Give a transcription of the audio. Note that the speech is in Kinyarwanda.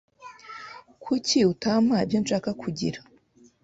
Kuki utampa ibyo nshaka kugira?